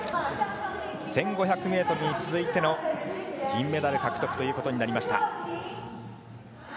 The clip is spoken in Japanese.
１５００ｍに続いての銀メダル獲得ということになりました。